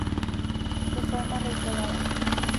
De forma reiterada.